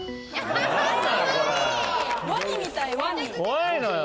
怖いのよ。